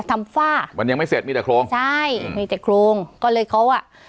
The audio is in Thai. ฝ้ามันยังไม่เสร็จมีแต่โครงใช่มีแต่โครงก็เลยเขาอ่ะ